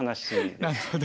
なるほど。